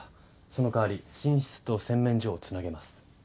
そのかわり寝室と洗面所をつなげます。